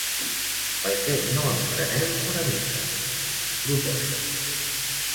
¿Per què no en prenem una mica?, proposa.